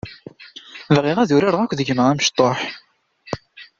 Bɣiɣ ad urareɣ akked gma amecṭuḥ.